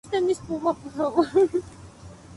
Los bombardeos aliados destruyeron su casa y su clínica.